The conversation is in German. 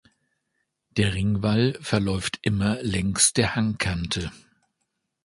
Der Ringwall verläuft immer längs der Hangkante.